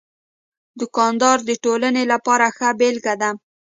دوکاندار د ټولنې لپاره ښه بېلګه ده.